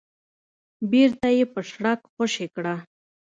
بېرته يې په شړک خوشې کړه.